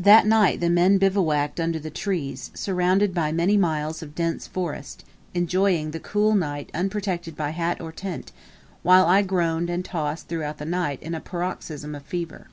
That night the men bivouacked under the trees, surrounded by many miles of dense forest, enjoying the cool night unprotected by hat or tent, while I groaned and tossed throughout the night in a paroxysm of fever.